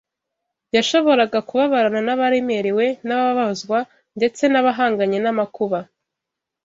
yashoboraga kubabarana n’abaremerewe n’abababazwa ndetse n’abahanganye n’amakuba.